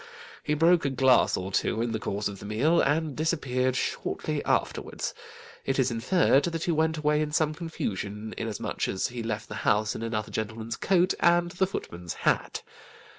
He broke a glass or two in the course of the meal, and disappeared shortly afterwards; it is inferred that he went away in some confusion, inasmuch as he left the house in another gentleman's coat, and the footman's hat.